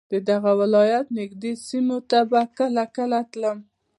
د دغه ولایت نږدې سیمو ته به کله کله تلم.